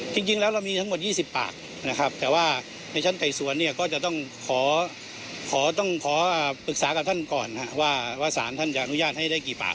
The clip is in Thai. จริงแล้วเรามีทั้งหมด๒๐ปากนะครับแต่ว่าในชั้นไต่สวนเนี่ยก็จะต้องขอต้องขอปรึกษากับท่านก่อนว่าสารท่านจะอนุญาตให้ได้กี่ปาก